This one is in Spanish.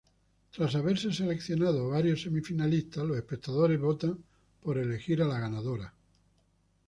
Tras haberse seleccionado varias semifinalistas, los espectadores votan para elegir a la ganadora.